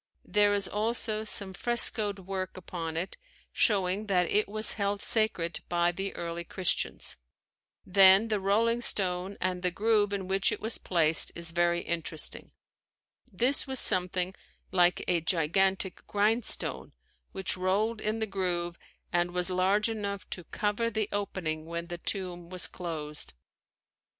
There is also some frescoed work upon it showing that it was held sacred by the early Christians. Then the "rolling stone" and the groove in which it was placed is very interesting. This was something like a gigantic grindstone which rolled in the groove and was large enough to cover the opening when the tomb was closed.